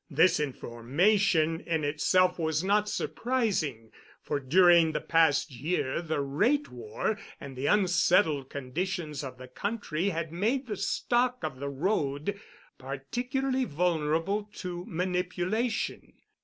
This information in itself was not surprising, for during the past year the rate war and the unsettled condition of the country had made the stock of the road particularly vulnerable to manipulation?